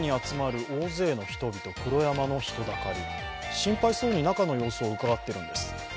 黒山の人だかり心配そうに中の様子をうかがっているんです。